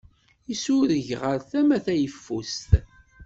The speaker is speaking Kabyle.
Isureg ɣer tama tayeffust.